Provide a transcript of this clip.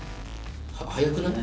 早くない？